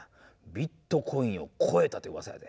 ビットコインを超えたといううわさやで。